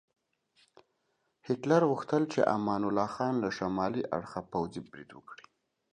هیټلر غوښتل چې امان الله خان له شمالي اړخه پوځي برید وکړي.